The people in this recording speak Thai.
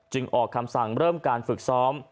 ออกคำสั่งเริ่มการฝึกซ้อม